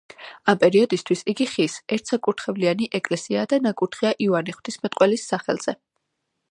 ამ პერიოდისათვის იგი ხის, ერთსაკურთხევლიანი ეკლესიაა და ნაკურთხია იოანე ღვთისმეტყველის სახელზე.